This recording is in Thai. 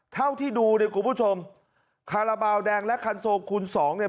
เท่าที่ดูเนี่ยคุณผู้ชมคาราบาลแดงและคันโซคูณสองเนี่ย